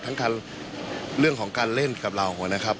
ทั้งการเรื่องของการเล่นกับเรานะครับ